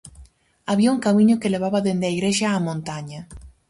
Había un camiño que levaba dende a igrexa á montaña.